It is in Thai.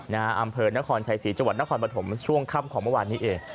อำเภอนครชัยศรีจังหวัดนครปฐมช่วงค่ำของเมื่อวานนี้เอง